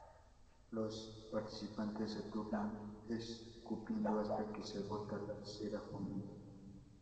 Los participantes se turnan escupiendo hasta que se agota la cera fundida.